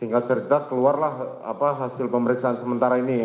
singkat cerita keluarlah hasil pemeriksaan sementara ini